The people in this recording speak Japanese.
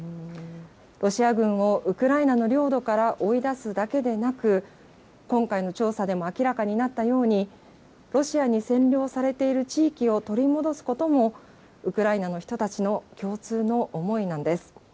ロシア軍をウクライナの領土から追い出すだけでなく、今回の調査でも明らかになったように、ロシアに占領されている地域を取り戻すことも、ウクライナの人たちの共通の思いなんです。